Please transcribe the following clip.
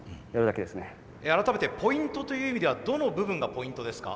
改めてポイントという意味ではどの部分がポイントですか？